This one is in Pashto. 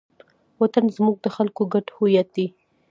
وطن زموږ د خلکو ګډ هویت دی.